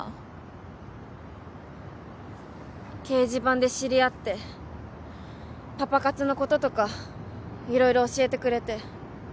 掲示板で知り合ってパパ活のこととかいろいろ教えてくれて。